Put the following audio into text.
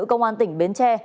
công an tỉnh bến tre